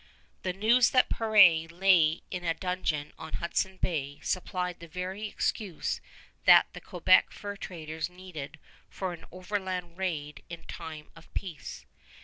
The news that Peré lay in a dungeon on Hudson Bay supplied the very excuse that the Quebec fur traders needed for an overland raid in time of peace.